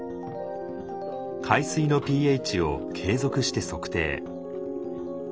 海水のｐＨを継続して測定。